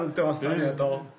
ありがとう。